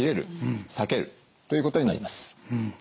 ・裂けるということになります。